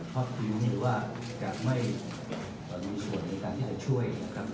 ครอบครัวนี้ว่าจะไม่มีส่วนในการที่จะช่วยนะครับ